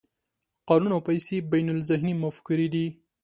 قانون او پیسې بینالذهني مفکورې دي.